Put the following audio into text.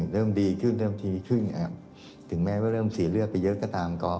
เริ่มดีขึ้นเริ่มทีขึ้นถึงแม้ว่าเริ่มเสียเลือดไปเยอะก็ตามก็